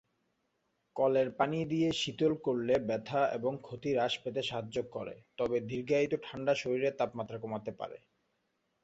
কলের পানি দিয়ে শীতল করলে ব্যথা এবং ক্ষতি হ্রাস পেতে সাহায্য করে; তবে দীর্ঘায়িত ঠান্ডা শরীরের তাপমাত্রা কমাতে পারে।